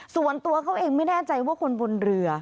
ส่วนตัวเขาเองไม่แน่ใจว่าคนบนเรือ